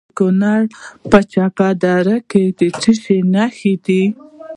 د کونړ په چپه دره کې د څه شي نښې دي؟